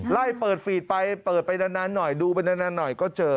ไล่เปิดฟีดไปเปิดไปนานหน่อยดูไปนานหน่อยก็เจอ